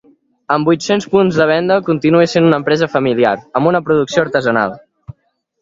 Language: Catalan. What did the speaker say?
Amb vuit-cents punts de venda, continua sent una empresa familiar, amb una producció artesanal.